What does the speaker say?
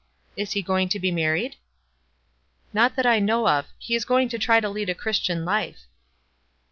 "Is he going to be mar ried?" " Not that I know of. He is going to try to lead a Christian life."